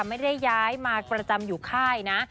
ไม่ได้ย้ายมาประจำอยู่ค่ายนะ